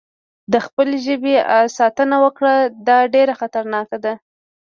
د خپل ژبې ساتنه وکړه، دا ډېره خطرناکه ده.